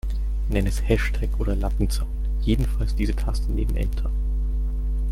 Nenn es Hashtag oder Lattenzaun, jedenfalls diese Taste neben Enter.